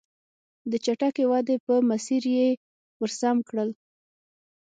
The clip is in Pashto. د چټکې ودې په مسیر یې ور سم کړل.